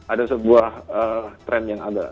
ada sebuah trend yang agak